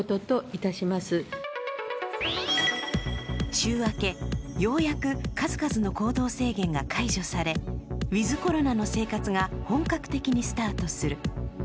週明け、ようやく数々の行動制限が解除されウィズ・コロナの生活が本格的にスタートする。